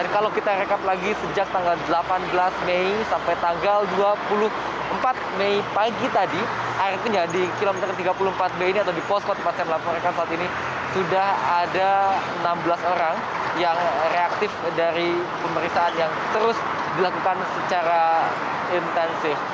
kalau kita rekap lagi sejak tanggal delapan belas mei sampai tanggal dua puluh empat mei pagi tadi artinya di kilometer tiga puluh empat b ini atau di posko tempat saya melaporkan saat ini sudah ada enam belas orang yang reaktif dari pemeriksaan yang terus dilakukan secara intensif